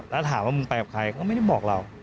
แล้วถามว่ามึงไปกับใครก็ไม่ได้บอกเรา